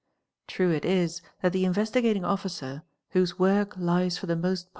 True it is that the Investigating Officer whose work lies for the most.